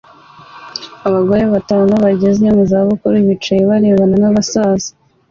Abagore batanu bageze mu za bukuru bicaye bareba n'abasaza